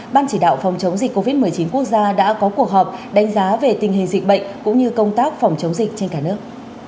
ban chỉ đạo phòng chống dịch covid một mươi chín quốc gia đã có cuộc họp đánh giá về tình hình dịch bệnh cũng như công tác phòng chống dịch trên cả nước